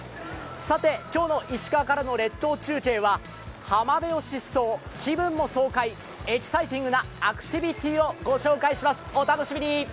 さて、今日の石川からの列島中継は浜辺を疾走、気分も爽快、エキサイティングなアクティビティーを御紹介します。